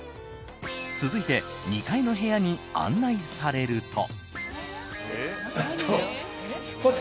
続いて２階の部屋に案内されると。